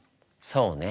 そうね。